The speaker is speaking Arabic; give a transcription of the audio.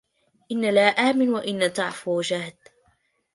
إن الأمين وإن تعفف جهده